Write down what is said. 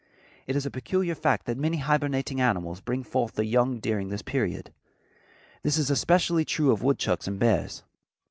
It is a peculiar fact that many hibernating animals bring forth their young during this period. This is especially true of woodchucks and bears.